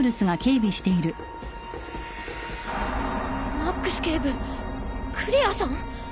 マックス警部クレアさん！？